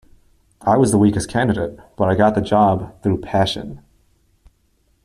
I was the weakest candidate, but I got the job through passion.